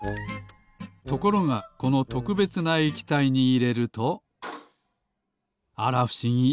ところがこのとくべつな液体にいれるとあらふしぎ。